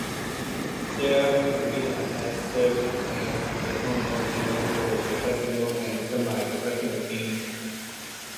The arena has served as the home of multiple professional and semi-professional teams.